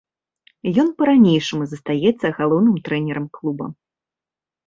Ён па-ранейшаму застаецца галоўным трэнерам клуба.